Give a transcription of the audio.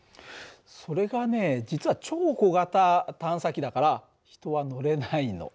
それがね実は超小型探査機だから人は乗れないの。